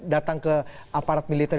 datang ke aparat militer